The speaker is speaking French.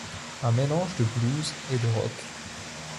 Un mélange de blues et de rock.